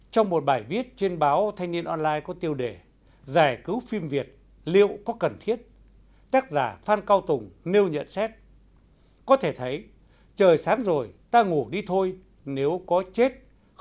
trong một bài viết trên báo thanh niên online có tiêu đề giải cứu phim việt liệu có cần thiết